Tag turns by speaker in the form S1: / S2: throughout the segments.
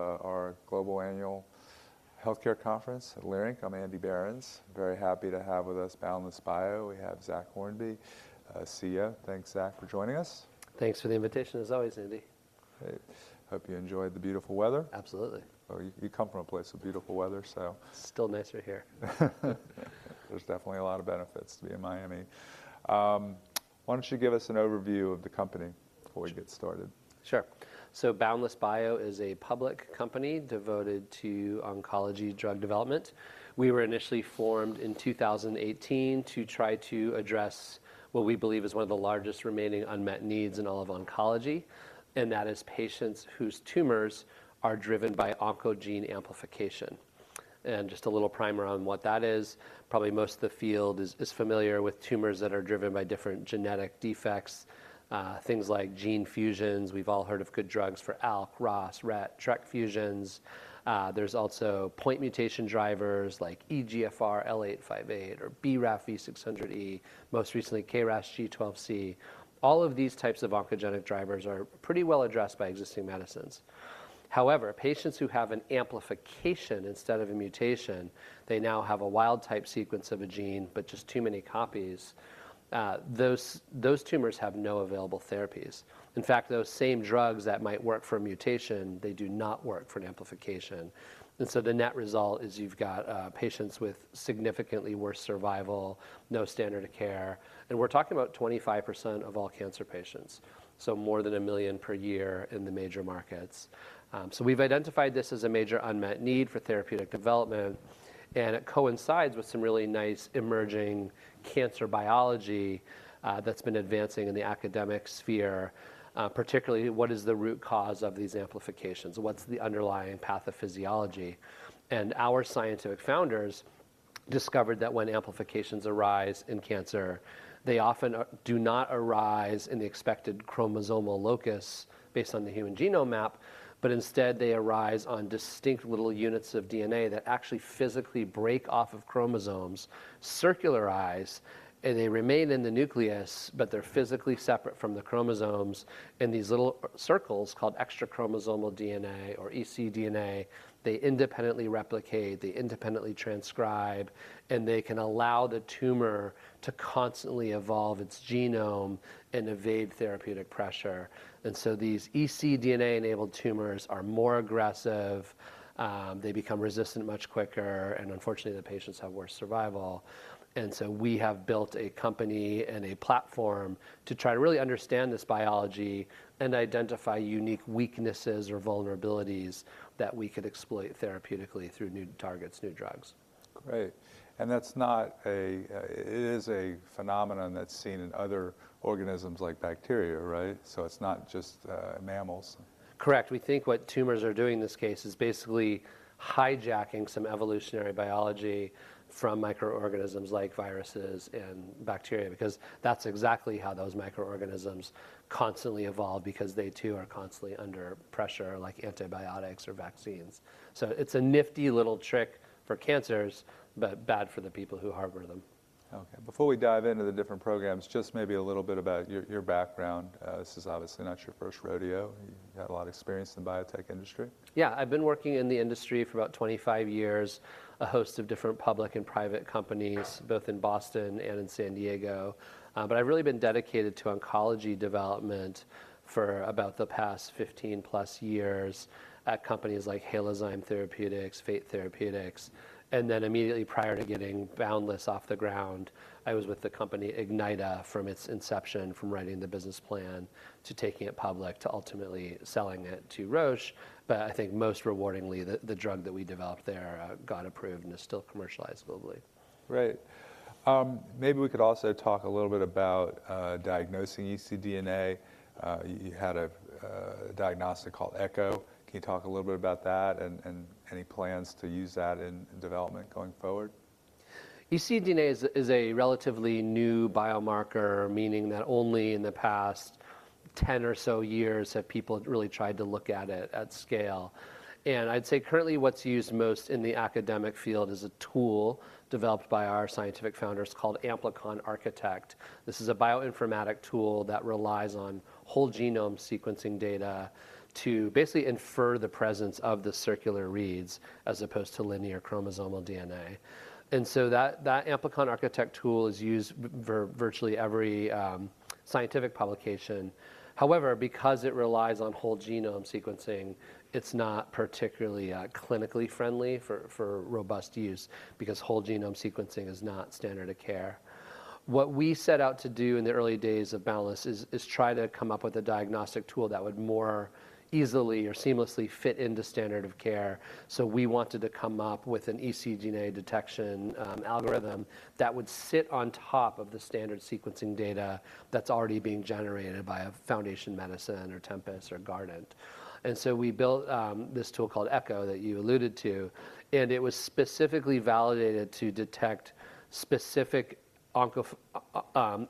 S1: Our Global Annual Healthcare Conference at Leerink. I'm Andrew Berens, very happy to have with us Boundless Bio. We have Zachary Hornby, CEO. Thanks, Zachary, for joining us.
S2: Thanks for the invitation as always, Andy.
S1: Great. Hope you enjoyed the beautiful weather.
S2: Absolutely.
S1: Oh, you come from a place with beautiful weather, so.
S2: Still nicer here.
S1: There's definitely a lot of benefits to be in Miami. Why don't you give us an overview of the company before we get started?
S2: Sure. Boundless Bio is a public company devoted to oncology drug development. We were initially formed in 2018 to try to address what we believe is one of the largest remaining unmet needs in all of oncology, and that is patients whose tumors are driven by oncogene amplification. Just a little primer on what that is, probably most of the field is familiar with tumors that are driven by different genetic defects, things like gene fusions. We've all heard of good drugs for ALK, ROS, RET, TRK fusions. There's also point mutation drivers like EGFR L858R or BRAF V600E, most recently KRASG12C. All of these types of oncogenic drivers are pretty well addressed by existing medicines. However, patients who have an amplification instead of a mutation, they now have a wild type sequence of a gene, but just too many copies. Those tumors have no available therapies. In fact, those same drugs that might work for a mutation, they do not work for an amplification. The net result is you've got patients with significantly worse survival, no standard of care, and we're talking about 25% of all cancer patients, so more than 1 million per year in the major markets. We've identified this as a major unmet need for therapeutic development, and it coincides with some really nice emerging cancer biology that's been advancing in the academic sphere, particularly what is the root cause of these amplifications, what's the underlying pathophysiology. Our scientific founders discovered that when amplifications arise in cancer, they often do not arise in the expected chromosomal locus based on the human genome map, but instead they arise on distinct little units of DNA that actually physically break off of chromosomes, circularize, and they remain in the nucleus, but they're physically separate from the chromosomes in these little circles called extrachromosomal DNA or ecDNA. They independently replicate, they independently transcribe, and they can allow the tumor to constantly evolve its genome and evade therapeutic pressure. These ecDNA-enabled tumors are more aggressive, they become resistant much quicker, and unfortunately, the patients have worse survival. We have built a company and a platform to try to really understand this biology and identify unique weaknesses or vulnerabilities that we could exploit therapeutically through new targets, new drugs.
S1: Great. It is a phenomenon that's seen in other organisms like bacteria, right? It's not just mammals.
S2: Correct. We think what tumors are doing in this case is basically hijacking some evolutionary biology from microorganisms like viruses and bacteria, because that's exactly how those microorganisms constantly evolve because they too are constantly under pressure, like antibiotics or vaccines. It's a nifty little trick for cancers, but bad for the people who harbor them.
S1: Okay. Before we dive into the different programs, just maybe a little bit about your background. This is obviously not your first rodeo. You've had a lot of experience in the biotech industry.
S2: Yeah. I've been working in the industry for about 25 years, a host of different public and private companies, both in Boston and in San Diego. I've really been dedicated to oncology development for about the past +15 years at companies like Halozyme Therapeutics, Fate Therapeutics. Immediately prior to getting Boundless off the ground, I was with the company Ignyta from its inception, from writing the business plan to taking it public, to ultimately selling it to Roche. I think most rewardingly, the drug that we developed there got approved and is still commercialized globally.
S1: Great. Maybe we could also talk a little bit about diagnosing ecDNA. You had a diagnostic called ECHO. Can you talk a little bit about that and any plans to use that in development going forward?
S2: ecDNA is a relatively new biomarker, meaning that only in the past 10 or so years have people really tried to look at it at scale. I'd say currently what's used most in the academic field is a tool developed by our scientific founders called Amplicon Architect. This is a bioinformatic tool that relies on whole genome sequencing data to basically infer the presence of the circular reads as opposed to linear chromosomal DNA. That Amplicon Architect tool is used virtually every scientific publication. However, because it relies on whole genome sequencing, it's not particularly clinically friendly for robust use because whole genome sequencing is not standard of care. What we set out to do in the early days of Boundless is try to come up with a diagnostic tool that would more easily or seamlessly fit into standard of care. We wanted to come up with an ecDNA detection algorithm that would sit on top of the standard sequencing data that's already being generated by Foundation Medicine or Tempus or Guardant Health. We built this tool called Echo that you alluded to, and it was specifically validated to detect specific amplified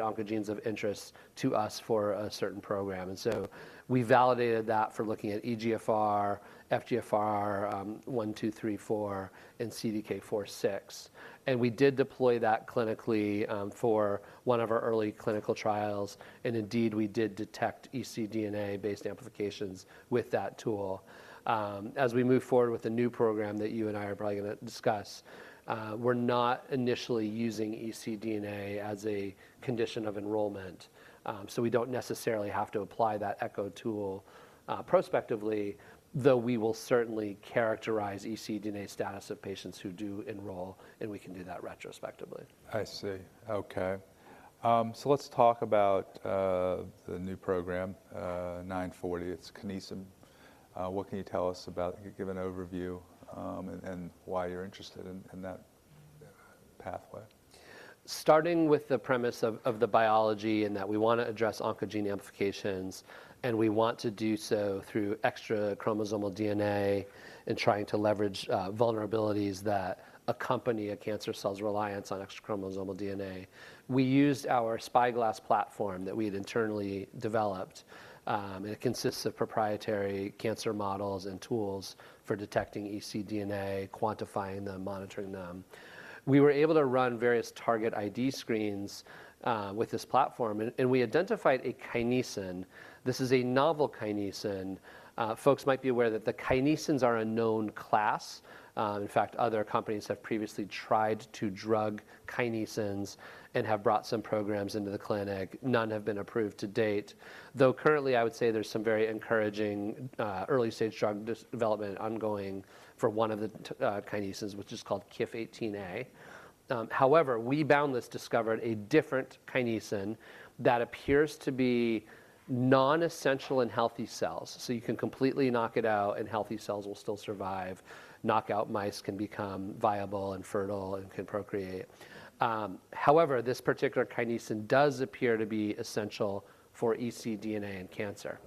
S2: oncogenes of interest to us for a certain program. We validated that for looking at EGFR, FGFR1, FGFR2, FGFR3, FGFR4, and CDK4/6. We did deploy that clinically for one of our early clinical trials. Indeed, we did detect ecDNA-based amplifications with that tool. As we move forward with the new program that you and I are probably gonna discuss, we're not initially using ecDNA as a condition of enrollment. We don't necessarily have to apply that ECHO tool, prospectively, though we will certainly characterize ecDNA status of patients who do enroll, and we can do that retrospectively.
S1: I see. Okay, so let's talk about the new program, 940. It's kinesin. What can you tell us about. Give an overview, and why you're interested in that pathway.
S2: Starting with the premise of the biology and that we wanna address oncogene amplifications, and we want to do so through extrachromosomal DNA and trying to leverage vulnerabilities that accompany a cancer cell's reliance on extrachromosomal DNA. We used our Spyglass platform that we had internally developed, and it consists of proprietary cancer models and tools for detecting ecDNA, quantifying them, monitoring them. We were able to run various target ID screens with this platform and we identified a kinesin. This is a novel kinesin. Folks might be aware that the kinesins are a known class. In fact, other companies have previously tried to drug kinesins and have brought some programs into the clinic. None have been approved to date, though currently, I would say there's some very encouraging early-stage drug development ongoing for one of the kinesins, which is called KIF18A. However, we, Boundless Bio, discovered a different kinesin that appears to be non-essential in healthy cells. You can completely knock it out, and healthy cells will still survive. Knockout mice can become viable and fertile and can procreate. However, this particular kinesin does appear to be essential for ecDNA in cancer.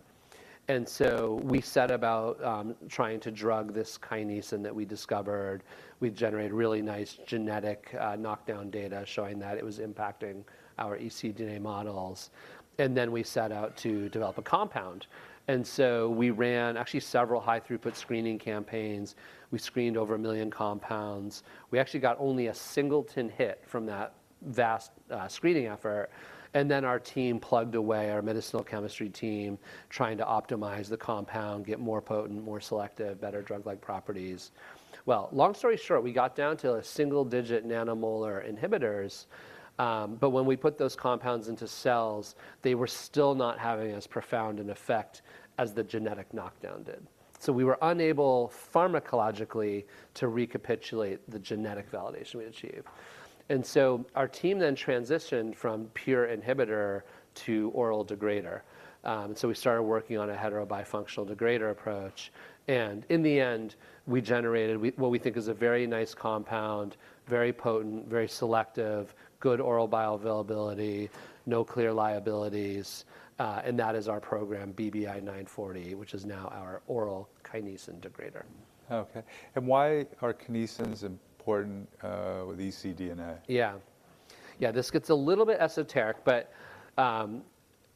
S2: We set about trying to drug this kinesin that we discovered. We generated really nice genetic knockdown data showing that it was impacting our ecDNA models, and then we set out to develop a compound. We ran actually several high-throughput screening campaigns. We screened over 1 million compounds. We actually got only a singleton hit from that vast screening effort. Our team plugged away, our medicinal chemistry team, trying to optimize the compound, get more potent, more selective, better drug-like properties. Well, long story short, we got down to single-digit nanomolar inhibitors, but when we put those compounds into cells, they were still not having as profound an effect as the genetic knockdown did. We were unable pharmacologically to recapitulate the genetic validation we achieved. Our team then transitioned from pure inhibitor to oral degrader. We started working on a heterobifunctional degrader approach. In the end, we generated what we think is a very nice compound, very potent, very selective, good oral bioavailability, no clear liabilities, and that is our program, BBI-940, which is now our oral kinesin degrader.
S1: Okay. Why are kinesins important, with ecDNA?
S2: Yeah. Yeah, this gets a little bit esoteric, but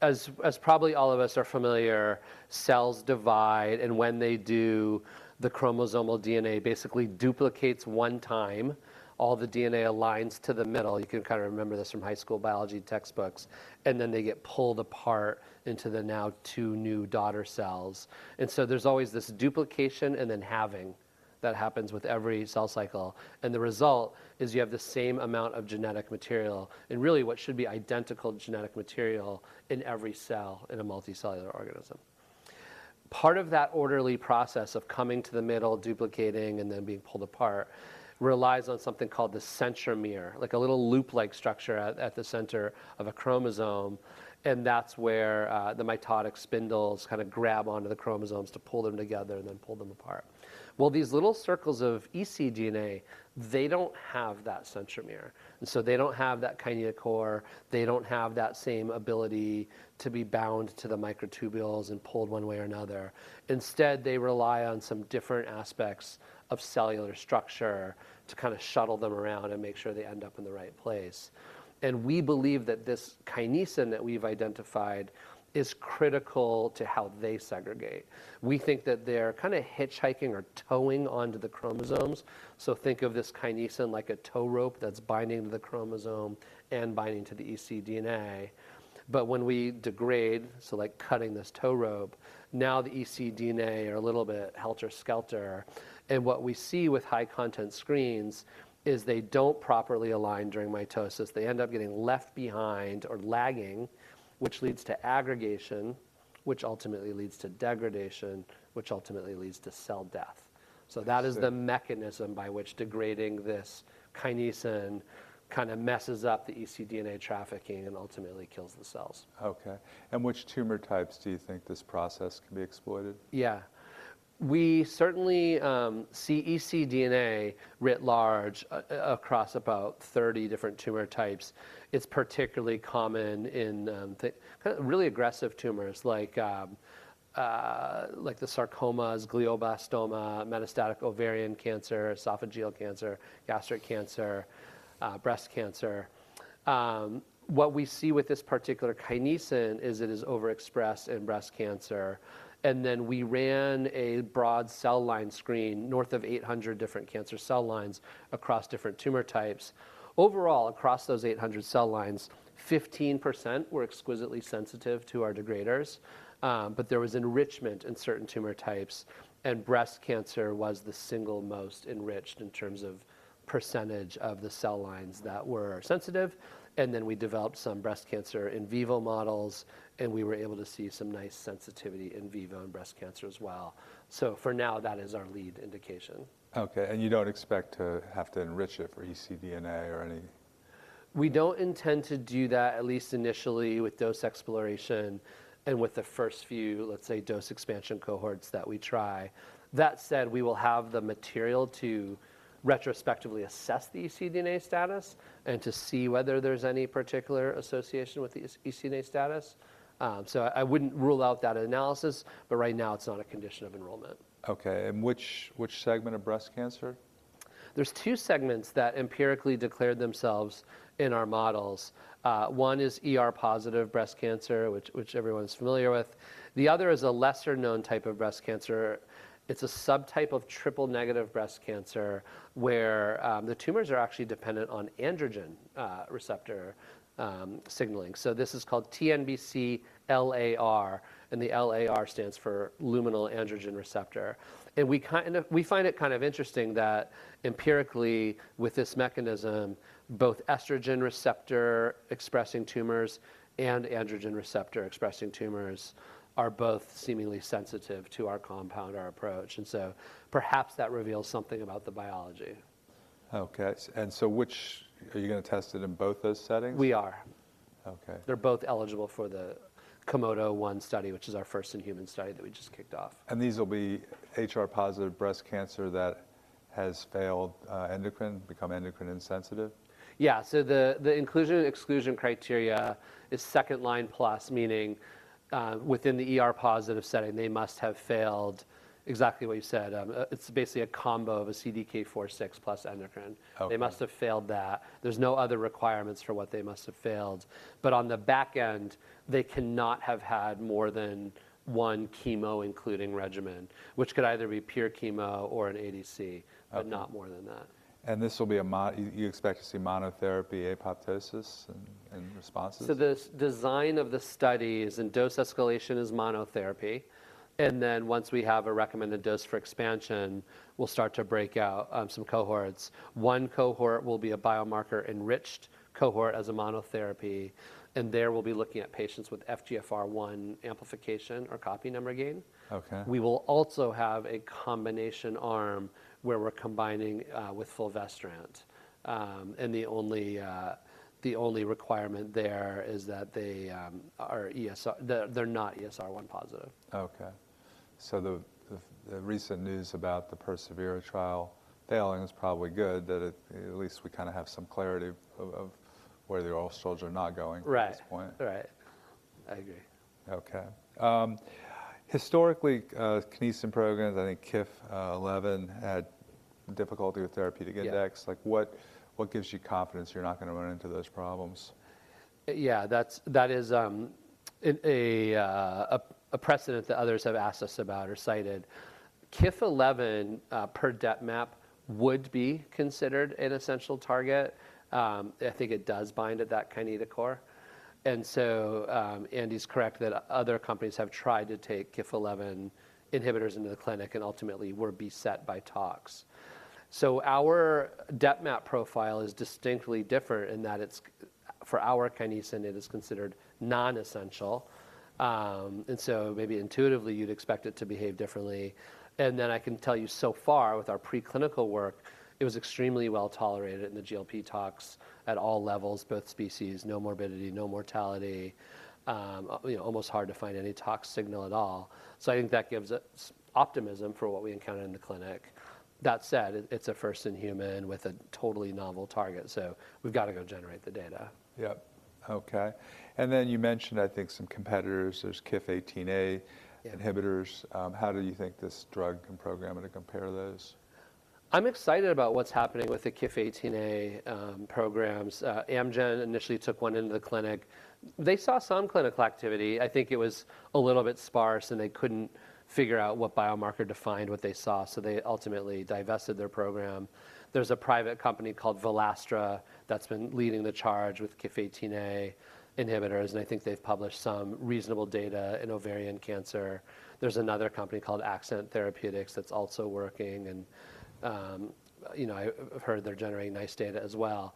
S2: as probably all of us are familiar, cells divide, and when they do, the chromosomal DNA basically duplicates one time. All the DNA aligns to the middle. You can kind of remember this from high school biology textbooks, and then they get pulled apart into the now two new daughter cells. There's always this duplication and then halving that happens with every cell cycle, and the result is you have the same amount of genetic material, and really what should be identical genetic material in every cell in a multicellular organism. Part of that orderly process of coming to the middle, duplicating, and then being pulled apart relies on something called the centromere, like a little loop-like structure at the center of a chromosome, and that's where the mitotic spindles kinda grab onto the chromosomes to pull them together and then pull them apart. Well, these little circles of ecDNA, they don't have that centromere, and so they don't have that kinetochore. They don't have that same ability to be bound to the microtubules and pulled one way or another. Instead, they rely on some different aspects of cellular structure to kinda shuttle them around and make sure they end up in the right place. We believe that this kinesin that we've identified is critical to how they segregate. We think that they're kinda hitchhiking or towing onto the chromosomes. Think of this kinesin like a tow rope that's binding to the chromosome and binding to the ecDNA. When we degrade, so like cutting this tow rope, now the ecDNA are a little bit helter-skelter, and what we see with high content screens is they don't properly align during mitosis. They end up getting left behind or lagging, which leads to aggregation, which ultimately leads to degradation, which ultimately leads to cell death. That is the mechanism by which degrading this kinesin kinda messes up the ecDNA trafficking and ultimately kills the cells.
S1: Okay. In which tumor types do you think this process can be exploited?
S2: Yeah. We certainly see ecDNA writ large across about 30 different tumor types. It's particularly common in kinda really aggressive tumors like the sarcomas, glioblastoma, metastatic ovarian cancer, esophageal cancer, gastric cancer, breast cancer. What we see with this particular kinesin is it is overexpressed in breast cancer, and then we ran a broad cell line screen, north of 800 different cancer cell lines across different tumor types. Overall, across those 800 cell lines, 15% were exquisitely sensitive to our degraders, but there was enrichment in certain tumor types, and breast cancer was the single most enriched in terms of percentage of the cell lines that were sensitive. We developed some breast cancer in vivo models, and we were able to see some nice sensitivity in vivo in breast cancer as well. For now, that is our lead indication.
S1: Okay. You don't expect to have to enrich it for ecDNA or any.
S2: We don't intend to do that, at least initially, with dose exploration and with the first few, let's say, dose expansion cohorts that we try. That said, we will have the material to retrospectively assess the ecDNA status and to see whether there's any particular association with the s-ecDNA status. I wouldn't rule out that analysis, but right now it's not a condition of enrollment.
S1: Okay. Which segment of breast cancer?
S2: There's two segments that empirically declared themselves in our models. One is ER-positive breast cancer, which everyone's familiar with. The other is a lesser-known type of breast cancer. It's a subtype of triple-negative breast cancer where the tumors are actually dependent on androgen receptor signaling. This is called TNBC-LAR, and the LAR stands for luminal androgen receptor. We find it kind of interesting that empirically, with this mechanism, both estrogen receptor expressing tumors and androgen receptor expressing tumors are both seemingly sensitive to our compound, our approach. Perhaps that reveals something about the biology.
S1: Okay. Which are you gonna test it in both those settings?
S2: We are.
S1: Okay.
S2: They're both eligible for the KOMODO-1 study, which is our first in-human study that we just kicked off.
S1: These will be HR-positive breast cancer that has failed endocrine, become endocrine insensitive?
S2: Yeah. The inclusion and exclusion criteria is second-line plus, meaning, within the ER-positive setting, they must have failed exactly what you said. It's basically a combo of a CDK4/6 plus endocrine. They must have failed that. There's no other requirements for what they must have failed. On the back end, they cannot have had more than one chemo-including regimen, which could either be pure chemo or an ADC, not more than that.
S1: You expect to see monotherapy apoptosis in responses?
S2: The design of the study in dose escalation is monotherapy. Once we have a recommended dose for expansion, we'll start to break out some cohorts. One cohort will be a biomarker-enriched cohort as a monotherapy, and there we'll be looking at patients with FGFR1 amplification or copy number gain.
S1: Okay.
S2: We will also have a combination arm where we're combining with fulvestrant. The only requirement there is that they're not ESR1 positive.
S1: Okay. The recent news about the persevERA trial failing is probably good, that at least we kinda have some clarity of where the oral SERDs are not going at this point.
S2: Right. I agree.
S1: Okay. Historically, kinesin programs, I think KIF11 had difficulty with therapeutic index. Like, what gives you confidence you're not gonna run into those problems?
S2: That's a precedent that others have asked us about or cited. KIF11 per DepMap would be considered an essential target. I think it does bind at that kinesin core. Andy's correct that other companies have tried to take KIF11 inhibitors into the clinic and ultimately were beset by tox. Our DepMap profile is distinctly different in that for our kinesin, it is considered non-essential. Maybe intuitively you'd expect it to behave differently. I can tell you so far with our preclinical work, it was extremely well-tolerated in the GLP tox at all levels, both species, no morbidity, no mortality, you know, almost hard to find any tox signal at all. I think that gives us optimism for what we encounter in the clinic. That said, it's a first in human with a totally novel target, so we've gotta go generate the data.
S1: Yep. Okay. You mentioned, I think, some competitors. There's KIF18A inhibitors. How do you think this drug can perform and compare to those?
S2: I'm excited about what's happening with the KIF18A programs. Amgen initially took one into the clinic. They saw some clinical activity. I think it was a little bit sparse, and they couldn't figure out what biomarker defined what they saw, so they ultimately divested their program. There's a private company called Volastra that's been leading the charge with KIF18A inhibitors, and I think they've published some reasonable data in ovarian cancer. There's another company called Accent Therapeutics that's also working and, you know, I've heard they're generating nice data as well.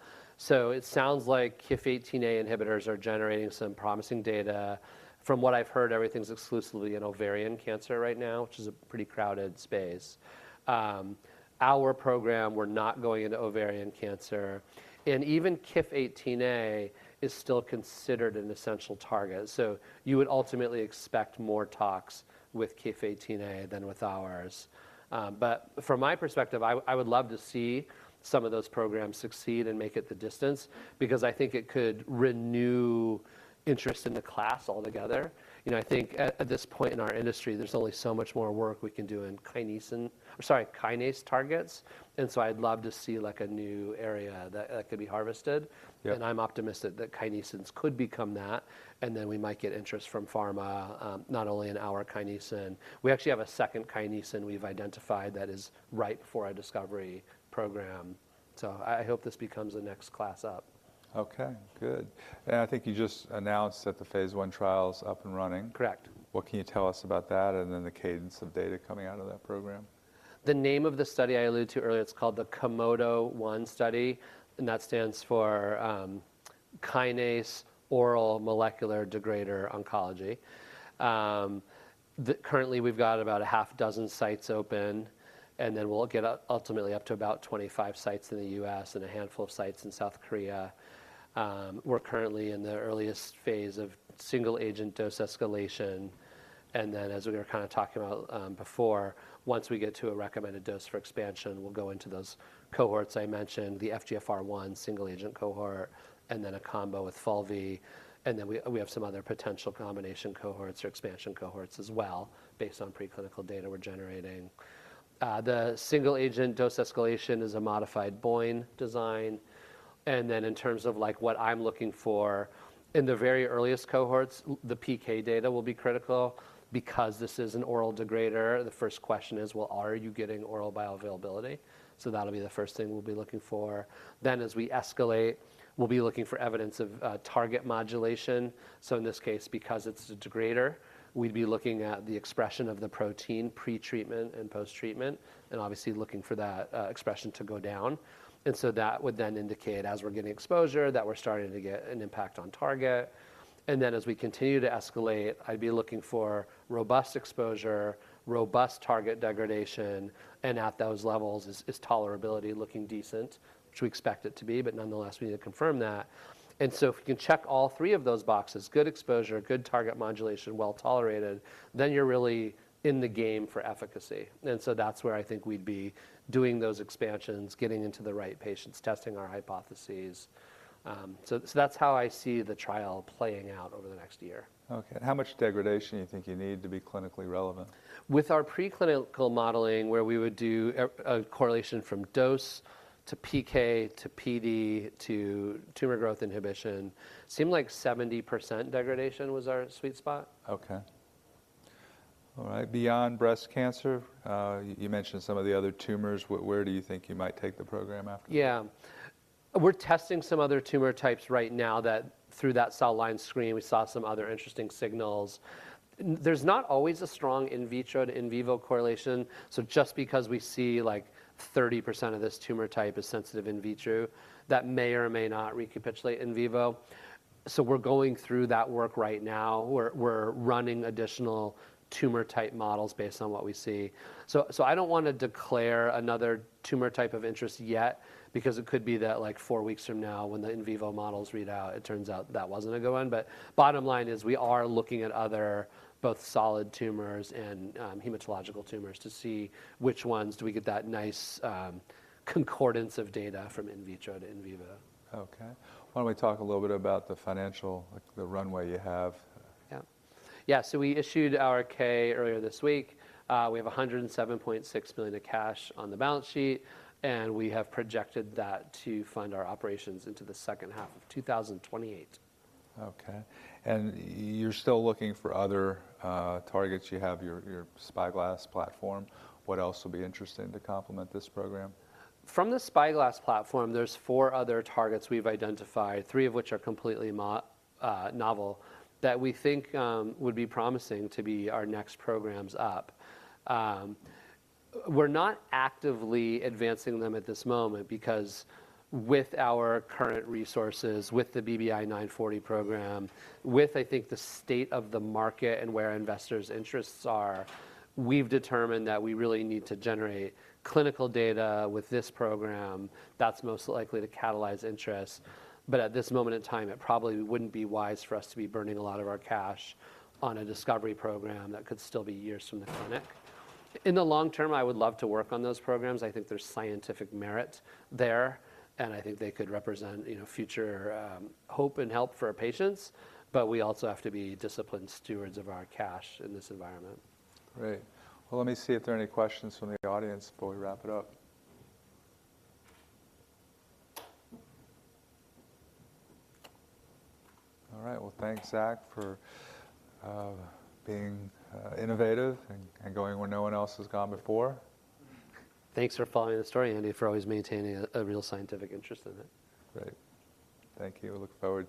S2: It sounds like KIF18A inhibitors are generating some promising data. From what I've heard, everything's exclusively in ovarian cancer right now, which is a pretty crowded space. Our program, we're not going into ovarian cancer. Even KIF18A is still considered an essential target, so you would ultimately expect more tox with KIF18A than with ours. But from my perspective, I would love to see some of those programs succeed and make it the distance because I think it could renew interest in the class altogether. You know, I think at this point in our industry, there's only so much more work we can do in kinase targets. I'd love to see, like, a new area that could be harvested.
S1: Yeah.
S2: I'm optimistic that kinesins could become that, and then we might get interest from pharma, not only in our kinesin. We actually have a second kinesin we've identified that is ripe for a discovery program, so I hope this becomes the next class up.
S1: Okay, good. I think you just announced that the phase I trial's up and running.
S2: Correct.
S1: What can you tell us about that and then the cadence of data coming out of that program?
S2: The name of the study I alluded to earlier, it's called the KOMODO-1 study, and that stands for Kinesin oral molecular degrader oncology. Currently we've got about six sites open, and then we'll ultimately up to about 25 sites in the U.S. and a handful of sites in South Korea. We're currently in the earliest phase of single agent dose escalation, and then as we were kinda talking about before, once we get to a recommended dose for expansion, we'll go into those cohorts I mentioned, the FGFR1 single agent cohort, and then a combo with fulvestrant. Then we have some other potential combination cohorts or expansion cohorts as well based on preclinical data we're generating. The single agent dose escalation is a modified BOIN design. In terms of like what I'm looking for, in the very earliest cohorts, the PK data will be critical because this is an oral degrader. The first question is, well, are you getting oral bioavailability? That'll be the first thing we'll be looking for. As we escalate, we'll be looking for evidence of target modulation. In this case, because it's a degrader, we'd be looking at the expression of the protein pretreatment and posttreatment, and obviously looking for that expression to go down. That would then indicate as we're getting exposure, that we're starting to get an impact on target. As we continue to escalate, I'd be looking for robust exposure, robust target degradation, and at those levels, is tolerability looking decent? Which we expect it to be, but nonetheless we need to confirm that. If you can check all three of those boxes, good exposure, good target modulation, well-tolerated, then you're really in the game for efficacy. That's where I think we'd be doing those expansions, getting into the right patients, testing our hypotheses. That's how I see the trial playing out over the next year.
S1: Okay. How much degradation you think you need to be clinically relevant?
S2: With our preclinical modeling, where we would do a correlation from dose to PK to PD to tumor growth inhibition, seemed like 70% degradation was our sweet spot.
S1: Okay. All right. Beyond breast cancer, you mentioned some of the other tumors. Where do you think you might take the program after?
S2: Yeah. We're testing some other tumor types right now that through that cell line screen, we saw some other interesting signals. There's not always a strong in vitro to in vivo correlation, so just because we see like 30% of this tumor type is sensitive in vitro, that may or may not recapitulate in vivo. We're going through that work right now. We're running additional tumor type models based on what we see. I don't wanna declare another tumor type of interest yet because it could be that like four weeks from now, when the in vivo models read out, it turns out that wasn't a good one. Bottom line is, we are looking at other both solid tumors and hematological tumors to see which ones do we get that nice concordance of data from in vitro to in vivo.
S1: Okay. Why don't we talk a little bit about the financial, like the runway you have?
S2: We issued our 10-K earlier this week. We have $107.6 million of cash on the balance sheet, and we have projected that to fund our operations into the second half of 2028.
S1: Okay. You're still looking for other targets. You have your Spyglass platform. What else would be interesting to complement this program?
S2: From the Spyglass platform, there's four other targets we've identified, three of which are completely novel, that we think would be promising to be our next programs up. We're not actively advancing them at this moment because with our current resources, with the BBI-940 program, with, I think, the state of the market and where investors' interests are, we've determined that we really need to generate clinical data with this program that's most likely to catalyze interest. At this moment in time, it probably wouldn't be wise for us to be burning a lot of our cash on a discovery program that could still be years from the clinic. In the long term, I would love to work on those programs. I think there's scientific merit there, and I think they could represent, you know, future hope and help for our patients, but we also have to be disciplined stewards of our cash in this environment.
S1: Great. Well, let me see if there are any questions from the audience before we wrap it up. All right. Well, thanks, Zach, for being innovative and going where no one else has gone before.
S2: Thanks for following the story, Andy, for always maintaining a real scientific interest in it.
S1: Great. Thank you. Look forward to--